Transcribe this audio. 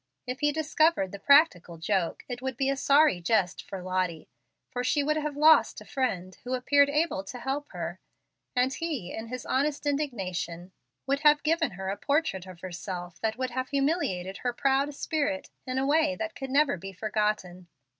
If he discovered the practical joke, it would be a sorry jest for Lottie, for she would have lost a friend who appeared able to help her; and he, in his honest indignation, would have given her a portrait of herself that would have humiliated her proud spirit in a way that could never be forgotten.